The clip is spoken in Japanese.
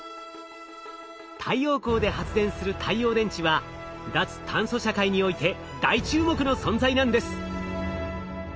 太陽光で発電する太陽電池は脱炭素社会において大注目の存在なんです。